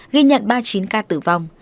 ghi nhận ba mươi chín ca tử vong